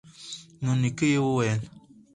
نو نیکه یې وویل